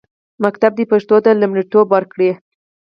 ښوونځي دې پښتو ته لومړیتوب ورکړي.